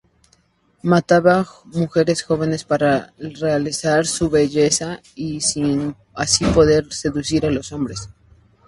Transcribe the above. Mataba mujeres jóvenes para realzar su belleza y, así, poder seducir a los hombres.